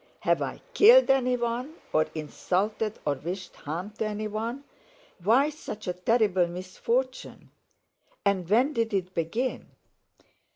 Have I killed anyone, or insulted or wished harm to anyone? Why such a terrible misfortune? And when did it begin?